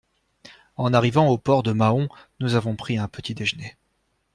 En arrivant au port de Mahon, nous avons pris un petit-déjeuner.